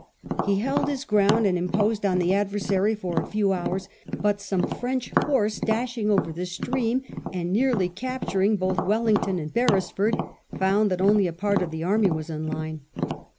He held his ground and imposed on the adversary for a few hours, but some French horse dashing over the stream, and nearly cap turing both Wellington and Beresford, found that only a part of the army was in line.